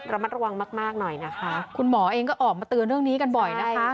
ระมัดระวังมากมากหน่อยนะคะคุณหมอเองก็ออกมาเตือนเรื่องนี้กันบ่อยนะคะ